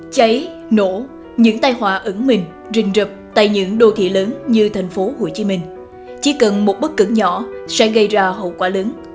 cháy nổ những tai hỏa ẩn mình rình rập tại những đô thị lớn như thành phố hồ chí minh chỉ cần một bức cẩn nhỏ sẽ gây ra hậu quả lớn